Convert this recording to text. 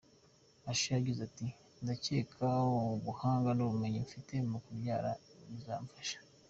Usher yagize ati, Ndakeka ubuhanga nubumenyi mfite mu kubyna bizamfasha.